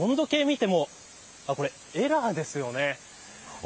温度計を見てもこれエラーですよね。